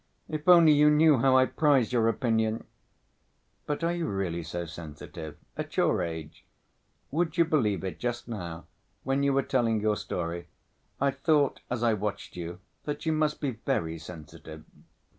If only you knew how I prize your opinion!" "But are you really so sensitive? At your age! Would you believe it, just now, when you were telling your story, I thought, as I watched you, that you must be very sensitive!"